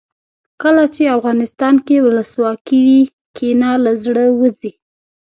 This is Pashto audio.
کله چې افغانستان کې ولسواکي وي کینه له زړه وځي.